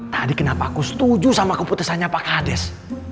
tadi kenapa aku setuju sama keputusannya pak kades